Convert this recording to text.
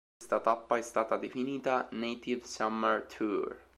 Questa tappa è stata definita Native Summer Tour..